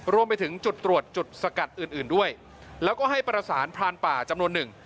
รวมไปถึงจุดตรวจจุดสกัดอื่นอื่นด้วยแล้วก็ให้ประสานพรานป่าจำนวนหนึ่ง